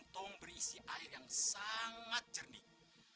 geng geng berisi air yang sangat jernih